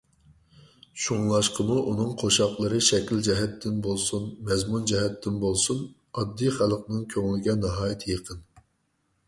شۇڭلاشقىمۇ ئۇنىڭ قوشاقلىرى شەكىل جەھەتتىن بولسۇن، مەزمۇن جەھەتتىن بولسۇن، ئاددىي خەلقنىڭ كۆڭلىگە ناھايىتى يېقىن.